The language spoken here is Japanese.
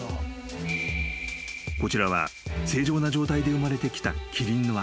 ［こちらは正常な状態で生まれてきたキリンの赤ちゃん］